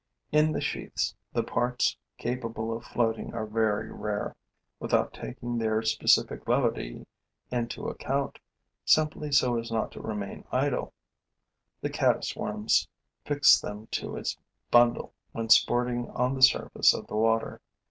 In the sheaths, the parts capable of floating are very rare. Without taking their specific levity into account, simply so as not to remain idle, the caddis worm fixed them to its bundle when sporting on the surface of the water.